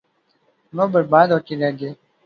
وہ برباد ہو کے رہ گئے۔